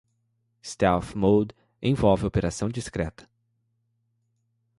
Stealth Mode envolve operação discreta.